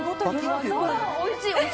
おいしい！